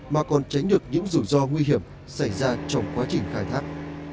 mà còn tránh được những rủi ro nguy hiểm xảy ra trong quá trình khai thác